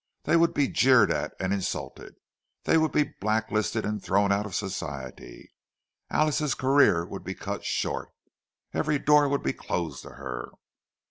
They would be jeered at and insulted—they would be blacklisted and thrown out of Society. Alice's career would be cut short—every door would be closed to her.